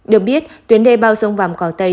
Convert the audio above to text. được biết tuyến đê bao sông vàm cỏ tây